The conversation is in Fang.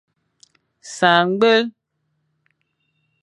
Sañ ñgwel.